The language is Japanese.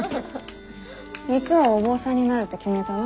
三生はお坊さんになるって決めたの？